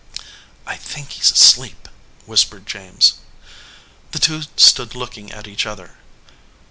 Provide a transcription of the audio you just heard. "I think he s asleep," whispered James. The two stood looking at each other.